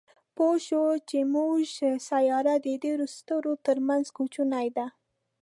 پوه شو چې زموږ سیاره د ډېرو ستورو تر منځ کوچنۍ ده.